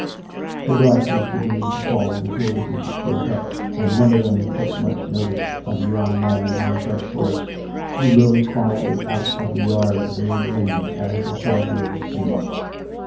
The dark was beginning to fall before the group broke up, and none of them took much notice of a young man on a fresh horse, who rode quietly out of the yard of the New Inn as the saunt^rers came up.